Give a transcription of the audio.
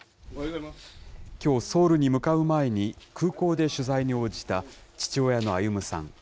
きょうソウルに向かう前に、空港で取材に応じた父親の歩さん。